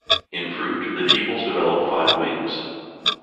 In fruit, the tepals develop five wings.